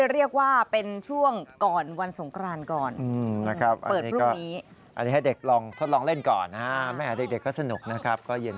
เรียกว่าเป็นช่วงก่อนวันสงครานก่อนนะครับ